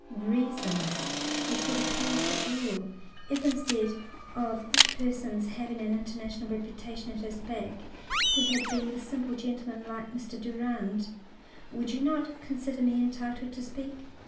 "—reasons which would appeal to all; if instead of this person's having an international reputation at his back he had been a simple gentleman like Mr. Durand,—would you not consider me entitled to speak?"